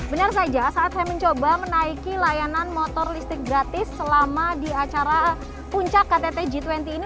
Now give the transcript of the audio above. benar saja saat saya mencoba menaiki layanan motor listrik gratis selama di acara puncak ktt g dua puluh ini